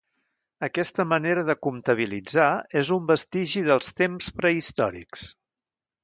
Aquesta manera de comptabilitzar és un vestigi dels temps prehistòrics.